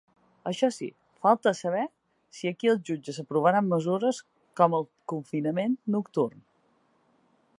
Això sí, falta saber si aquí els jutges aprovaran mesures com el confinament nocturn.